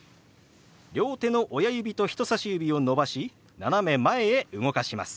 両手の親指と人さし指を伸ばし斜め前へ動かします。